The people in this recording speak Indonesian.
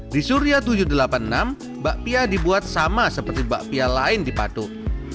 di suria tujuh ratus delapan puluh enam bakpia dibuat sama seperti bakpia lain di patok